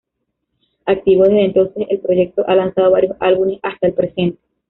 Activo desde entonces, el proyecto ha lanzado varios álbumes hasta el presente.